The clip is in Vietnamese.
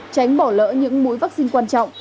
tránh bỏ lỡ những mũi vaccine quan trọng